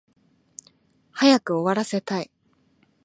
早く終わらせたい